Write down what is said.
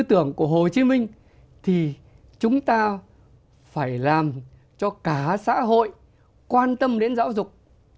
tư tưởng của hồ chí minh thì chúng ta phải làm cho cả xã hội quan tâm đến giáo dục